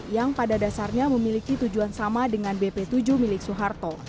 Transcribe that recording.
yang pada dasarnya memiliki tujuan sama dengan bp tujuh milik soeharto